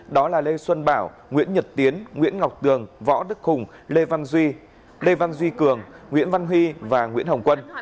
đó là lê xuân bảo nguyễn nhật tiến nguyễn ngọc tường võ đức hùng lê văn duy lê văn duy cường nguyễn văn huy và nguyễn hồng quân